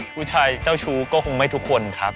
ผู้ชายเจ้าชู้ก็คงไม่ทุกคนครับ